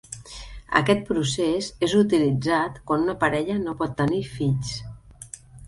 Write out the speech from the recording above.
Aquest procés és utilitzat quan una parella no pot tenir fills.